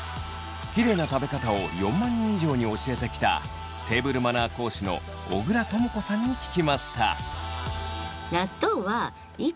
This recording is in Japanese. キレイな食べ方を４万人以上に教えてきたテーブルマナー講師の小倉朋子さんに聞きました。